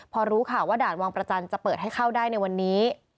พอรู้ข่าวว่าด่านวังประจันทร์จะเปิดให้เข้าได้ในวันนี้